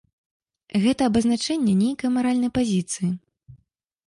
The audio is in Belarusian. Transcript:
Гэта абазначэнне нейкай маральнай пазіцыі.